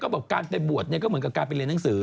บอกการไปบวชเนี่ยก็เหมือนกับการไปเรียนหนังสือ